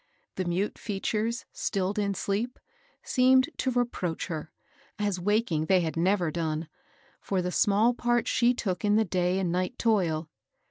The mute features, stilled in sleep, seemed to reproach her, as waking they had never done, for the small part she took in the day and night toil.